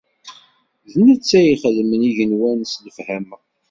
D netta i ixedmen igenwan s lefhama.